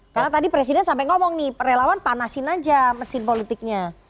karena tadi presiden sampai ngomong nih relawan panaskan aja mesin politiknya